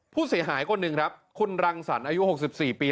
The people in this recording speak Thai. ผู้เสียหายคนหนึ่งครับคุณรังสรรค์อายุ๖๔ปี